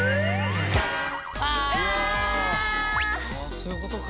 そういうことか。